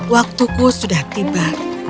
waktuku sudah tiba